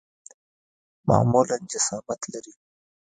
معمولاً جسامت لري.